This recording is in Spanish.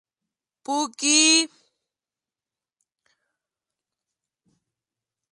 Son especies de plumaje pardo o pardo-grisáceo.